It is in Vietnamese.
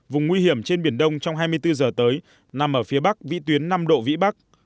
vùng nguy hiểm trên biển đông trong hai mươi bốn giờ tới nằm ở phía bắc vĩ tuyến năm độ vĩ bắc